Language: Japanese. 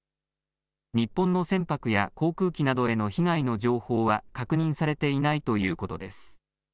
日本の船舶や航空機などへの被害の情報は確認されていないということです。